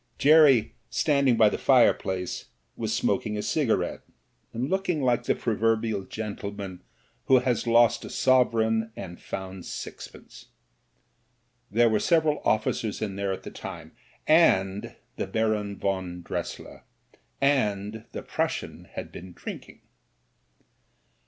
Jerry, standing by the fireplace, was smoking a cigarette, and looking like the proverbial gentleman who has lost a sovereign and found sixpence. There were several officers in there at the time, and — ^the Baron von Dress ier. And the Prussian had been drinking.